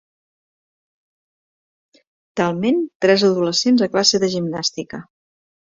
Talment tres adolescents a classe de gimnàstica.